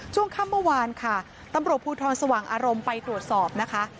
ช่วงค่ำเมื่อวานค่ะตำรวจภูทรสว่างอารมณ์ไปตรวจสอบนะคะ